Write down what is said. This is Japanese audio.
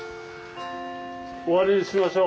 終わりにしましょう。